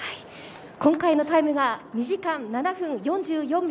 今回のタイムが２時間７分４４秒